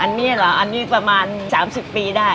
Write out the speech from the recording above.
อันนี้เหรออันนี้ประมาณ๓๐ปีได้